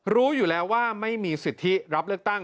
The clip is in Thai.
รู้อยู่แล้วว่าไม่มีสิทธิรับเลือกตั้ง